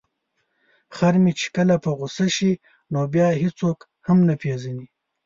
خر مې چې کله په غوسه شي نو بیا هیڅوک هم نه پيژني.